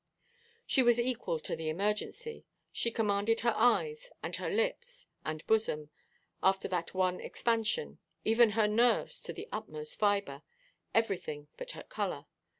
She was equal to the emergency. She commanded her eyes, and her lips, and bosom, after that one expansion, even her nerves, to the utmost fibre—everything but her colour.